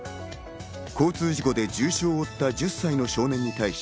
交通事故で重傷を負った１０歳の少年に対し、